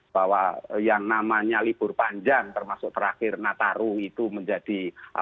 bahwa yang namanya libur panjang termasuk terakhir nataru itu menjadi